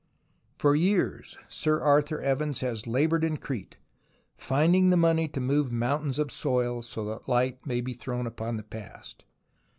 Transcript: For years Sir Arthur Evans has laboured in Crete, finding the money to move mountains of soil so that light may be thrown on the past.